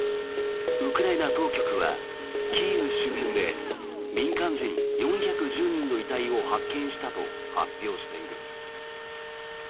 ウクライナ当局はキーウ周辺で民間人４１０人の遺体を発見したと発表している。